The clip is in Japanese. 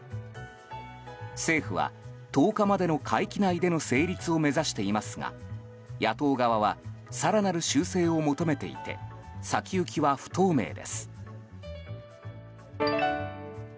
政府は１０日までの会期内での成立を目指していますが野党側は更なる修正を求めていて先行きは不透明です。